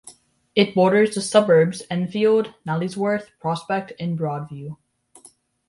It borders the suburbs Enfield, Nailsworth, Prospect and Broadview.